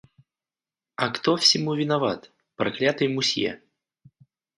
А кто всему виноват? проклятый мусье.